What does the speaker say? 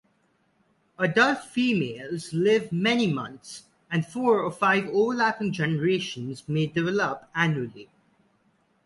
Adult females live many months, and four or five overlapping generations may develop annually.